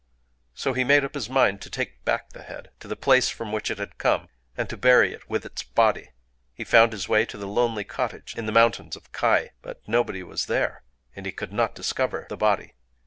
So he made up his mind to take back the head to the place from which it had come, and to bury it with its body. He found his way to the lonely cottage in the mountains of Kai; but nobody was there, and he could not discover the body.